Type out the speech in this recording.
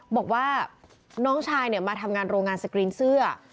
บอกว่าน้องชายมาทำงานโรงงานสกรีนเสื้อ